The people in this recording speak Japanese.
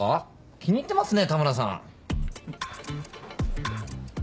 気に入ってますね田村さん。